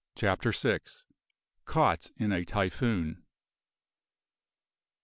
CHAPTER SIX. CAUGHT IN A TYPHOON.